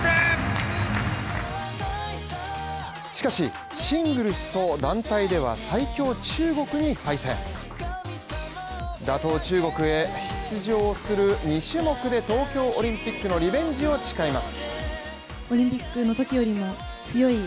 しかし、シングルスと団体では最強中国に敗戦打倒中国へ出場する２種目で東京オリンピックのリベンジを誓います。